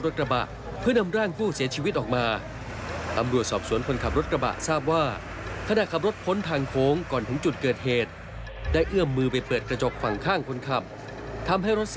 ทำให้ตัวเพื่อหยิบต่องอย่างเท่าไหร่